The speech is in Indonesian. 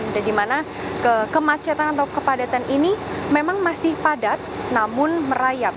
dan dimana kemacetan atau kepadatan ini memang masih padat namun merayap